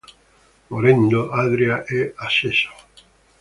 Morendo, Adria è asceso.